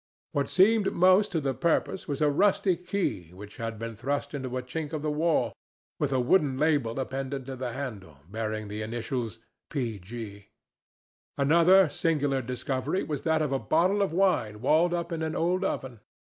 What seemed most to the purpose was a rusty key which had been thrust into a chink of the wall, with a wooden label appended to the handle, bearing the initials "P.G." Another singular discovery was that of a bottle of wine walled up in an old oven.